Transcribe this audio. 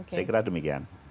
saya kira demikian